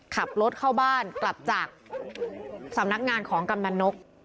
ขับรถเข้าบ้านกลับจากสำนักงานของกำนันนก